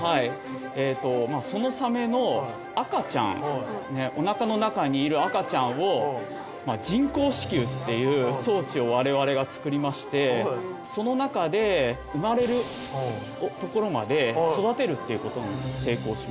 そのサメの赤ちゃんおなかの中にいる赤ちゃんを人工子宮っていう装置をわれわれがつくりましてその中で生まれるところまで育てるっていうことに成功しました。